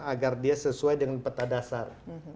agar dia sesuai dengan peta dasar